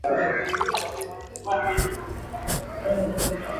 Watenge wanyama wagonjwa mbali na wazima kiafya